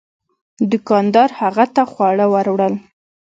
دوکاندار هغه ته خواړه ور وړل.